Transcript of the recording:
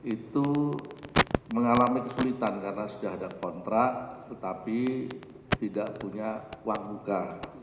itu mengalami kesulitan karena sudah ada kontrak tetapi tidak punya uang buka